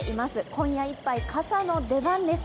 今夜いっぱい、傘の出番です。